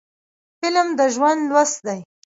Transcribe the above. فلم د ژوند لوست دی